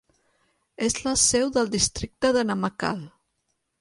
És la seu del districte de Namakkal.